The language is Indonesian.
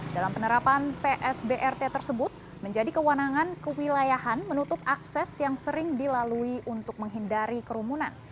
dalam penerapan psbrt tersebut menjadi kewenangan kewilayahan menutup akses yang sering dilalui untuk menghindari kerumunan